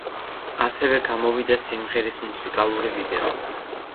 ასევე გამოვიდა სიმღერის მუსიკალური ვიდეო.